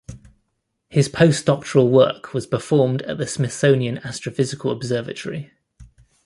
His post-doctoral work was performed at the Smithsonian Astrophysical Observatory.